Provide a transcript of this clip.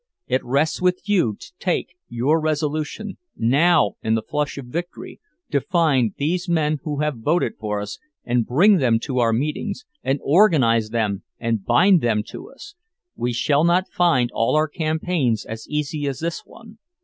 It rests with you to take your resolution—now, in the flush of victory, to find these men who have voted for us, and bring them to our meetings, and organize them and bind them to us! We shall not find all our campaigns as easy as this one.